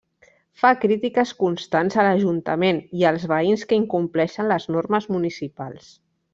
Fa crítiques constants a l'ajuntament i als veïns que incompleixen les normes municipals.